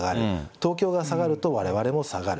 東京が下がるとわれわれも下がる。